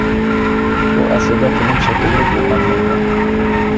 بۇ ئەسلىدە فىلىم شەكىللىك يوللانما ئىدى.